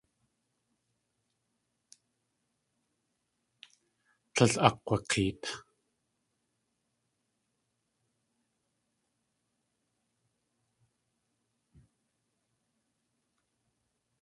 Tlél akg̲wak̲eet.